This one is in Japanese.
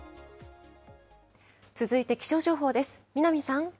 続いて気象情報です。